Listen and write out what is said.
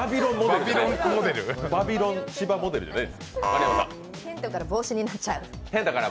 テントから帽子になっちゃう？